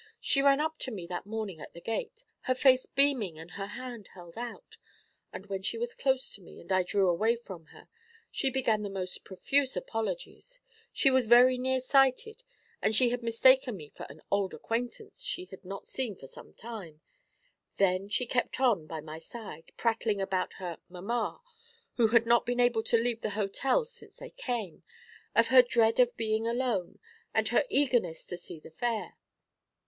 'She ran up to me that morning at the gate, her face beaming and her hand held out, and when she was close to me, and I drew away from her, she began the most profuse apologies: she was very near sighted, and she had mistaken me for an old acquaintance she had not seen for some time; then she kept on by my side, prattling about her "mamma," who had not been able to leave the hotel since they came; of her dread of being alone, and her eagerness to see the Fair.